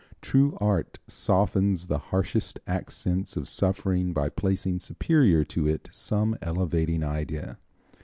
True art softens the harshest accents of suffering by placing superior to it some elevating idea.